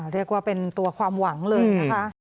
เรียกว่าเป็นตัวความหวังเลยนะคะ